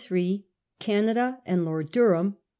CANADA AND LORD DURHAM.